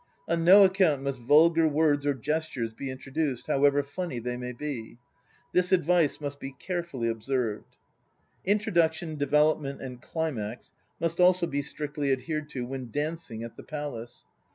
On no account must vulgar words or gestures be introduced, however funny they may be. This advice must be carefully observed. Introduction, Development and Climax must also be strictly adhered to when dancing at the Palace.